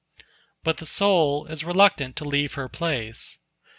But the soul is reluctant to leave her place.